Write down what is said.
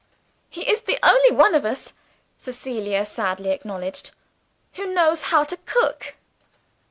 "He is the only one of us," Cecilia sadly acknowledged, "who knows how to cook."